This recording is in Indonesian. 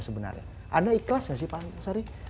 sebenarnya anda ikhlas gak sih pak antasari